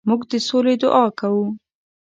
موږ د سولې دعا کوو.